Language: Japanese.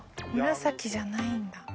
紫じゃないんだ。